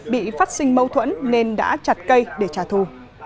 bị phát sinh mâu thuẫn nên đã chặt cây để trả thù